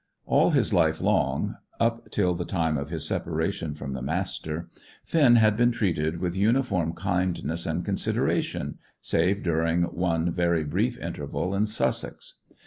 All his life long, up till the time of his separation from the Master, Finn had been treated with uniform kindness and consideration, save during one very brief interval in Sussex.